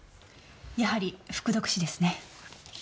やはり服毒死ですね。